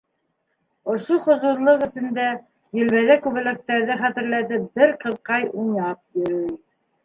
Ошо хозурлыҡ эсендә, елбәҙәк күбәләктәрҙе хәтерләтеп, бер ҡыҙыҡай уйнап йөрөй.